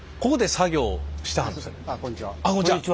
ああこんにちは。